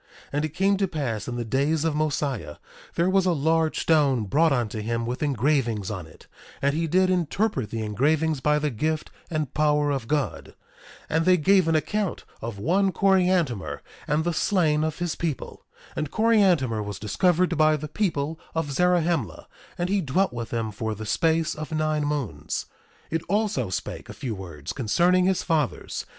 1:20 And it came to pass in the days of Mosiah, there was a large stone brought unto him with engravings on it; and he did interpret the engravings by the gift and power of God. 1:21 And they gave an account of one Coriantumr, and the slain of his people. And Coriantumr was discovered by the people of Zarahemla; and he dwelt with them for the space of nine moons. 1:22 It also spake a few words concerning his fathers.